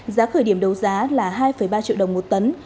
giá khởi điểm đấu giá là hai ba triệu đồng một tấn